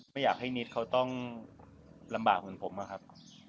ไม่อยากให้นิดเขาต้องลำบากเหมือนผมอะครับ